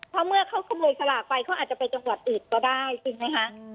เพราะเมื่อเขาขโมยสลากไปเขาอาจจะไปจังหวัดอื่นก็ได้จริงไหมคะ